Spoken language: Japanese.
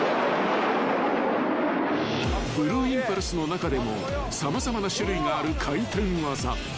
［ブルーインパルスの中でも様々な種類がある回転技］